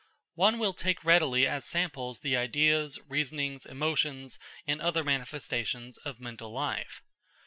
One will take readily as samples the ideas, reasonings, emotions, and other manifestations of mental life.